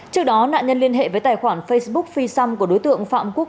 trước đó nạn nhân liên hệ với tài khoản facebook phi xăm của đối tượng phạm quốc